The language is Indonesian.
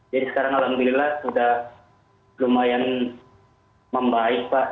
jadi sekarang alhamdulillah sudah lumayan membaik pak